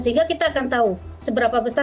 sehingga kita akan tahu seberapa besar